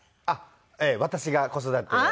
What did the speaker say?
あっ私が子育て。